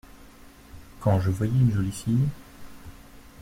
Quand je voyais une jolie fille !…